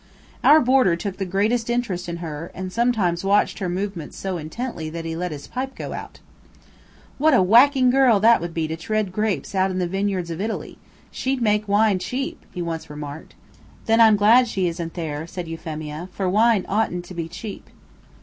Our boarder took the greatest interest in her, and sometimes watched her movements so intently that he let his pipe go out. "What a whacking girl that would be to tread out grapes in the vineyards of Italy! She'd make wine cheap," he once remarked. "Then I'm glad she isn't there," said Euphemia, "for wine oughtn't to be cheap."